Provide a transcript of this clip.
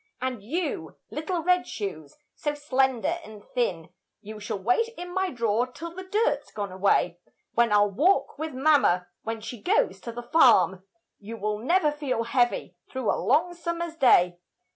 And you, little red shoes, so slender and thin, You shall wait in my draw'r till the dirt's gone away; When I'll walk with mamma when she goes to the farm, You will never feel heavy through a long summer's day.